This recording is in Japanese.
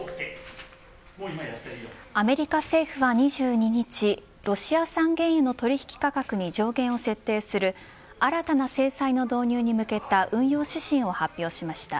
アメリカ政府は２２日ロシア産原油の取引価格に上限を設定する新たな制裁の導入に向けた運用指針を発表しました。